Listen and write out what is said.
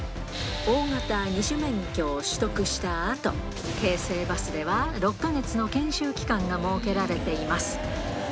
大型二種免許を取得したあと、京成バスでは、６か月の研修期間が設けられています。